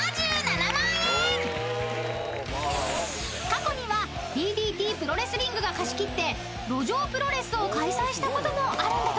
［過去にはＤＤＴプロレスリングが貸し切って路上プロレスを開催したこともあるんだとか］